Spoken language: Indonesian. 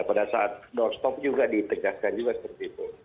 pada saat non stop juga ditegaskan juga seperti itu